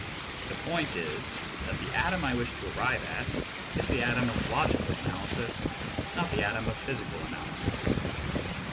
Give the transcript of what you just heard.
The point is that the atom I wish to arrive at is the atom of logical analysis, not the atom of physical analysis.